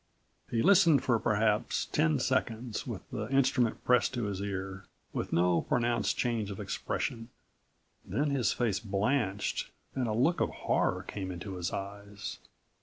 He listened for perhaps ten seconds with the instrument pressed to his ear, with no pronounced change of expression. Then his face blanched and a look of horror came into his eyes.